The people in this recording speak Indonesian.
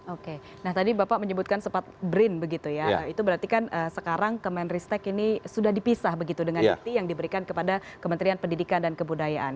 oke nah tadi bapak menyebutkan sempat brin begitu ya itu berarti kan sekarang kemenristek ini sudah dipisah begitu dengan ikti yang diberikan kepada kementerian pendidikan dan kebudayaan